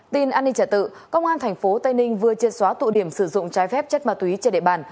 tin an ninh trả tự công an tp tây ninh vừa triệt xóa tụ điểm sử dụng trái phép chất ma túy trên địa bàn